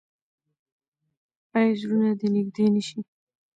آیا زړونه دې نږدې نشي؟